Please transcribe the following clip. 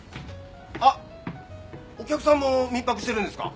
あっお客さんも民泊してるんですか？